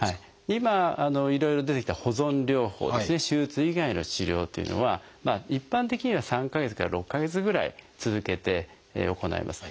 今いろいろ出てきた保存療法ですね手術以外の治療というのは一般的には３か月から６か月ぐらい続けて行います。